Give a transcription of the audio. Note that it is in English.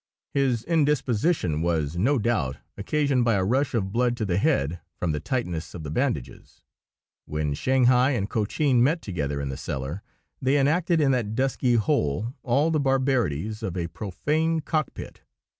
His indisposition was, no doubt, occasioned by a rush of blood to the head from the tightness of the bandages. When Shanghai and Cochin met together in the cellar, they enacted in that dusky hole all the barbarities of a profane cockpit.